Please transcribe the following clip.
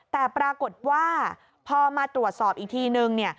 แต่ปรากฏว่าพอมาตรวจสอบอีกทีนึง